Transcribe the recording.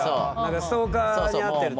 ストーカーに遭ってると。